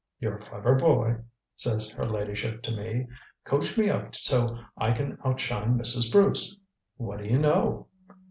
'You're a clever boy,' says her ladyship to me. 'Coach me up so I can outshine Mrs. Bruce.' What do you know?"